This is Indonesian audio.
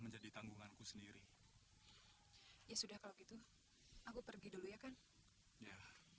menjadi tanggunganku sendiri ya sudah kalau gitu aku pergi dulu ya kan udah